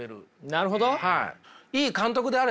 なるほど。